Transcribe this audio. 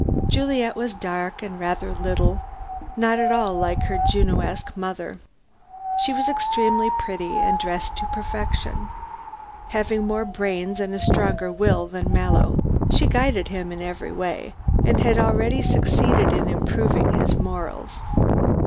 Juliet was dark and rather little, not at all like her Junoesque mother. She was extremely pretty and dressed to perfection. Having more brains and a stronger will than Mallow, she guided him in every way, and had already succeeded in improving his morals.